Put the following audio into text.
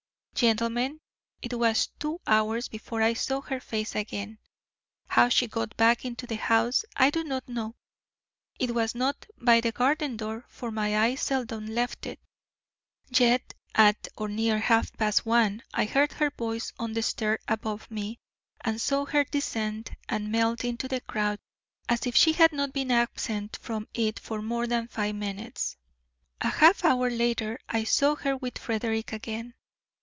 Gentlemen, it was two hours before I saw her face again. How she got back into the house I do not know. It was not by the garden door, for my eye seldom left it; yet at or near half past one I heard her voice on the stair above me and saw her descend and melt into the crowd as if she had not been absent from it for more than five minutes. A half hour later I saw her with Frederick again.